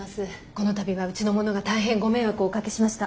この度はうちの者が大変ご迷惑をおかけしました。